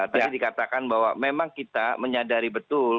tadi dikatakan bahwa memang kita menyadari betul